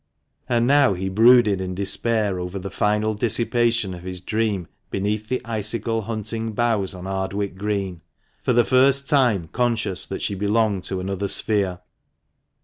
And now he brooded in despair over the final dissipation of his dream beneath the icicle hung boughs on Ardwick Green ; for the first time conscious that she belonged to another sphere.